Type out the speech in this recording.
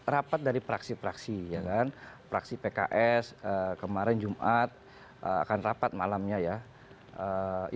rapat dari praksi praksi ya kan praksi pks kemarin jum'at akan rapat malamnya ya ya hari ini berhenti